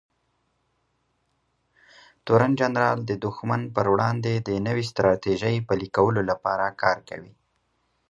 تورن جنرال د دښمن پر وړاندې د نوې ستراتیژۍ پلي کولو لپاره کار کوي.